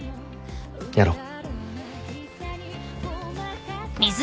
やろう。